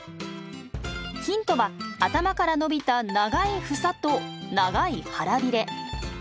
ヒントは頭から伸びた長いフサと長い腹ビレ。